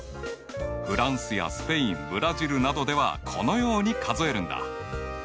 フランスやスペインブラジルなどではこのように数えるんだ。